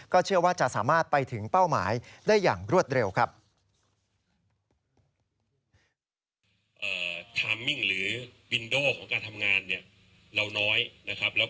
เชื่อว่าจะสามารถไปถึงเป้าหมายได้อย่างรวดเร็วครับ